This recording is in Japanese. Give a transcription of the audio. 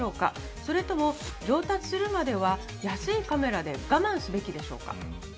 それとも上達するまでは安いカメラで我慢すべきでしょうか。